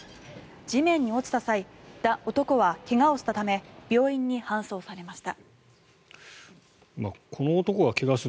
地面に落ちた際男は怪我をしたため病院に搬送されました。